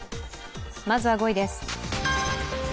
まずは５位です。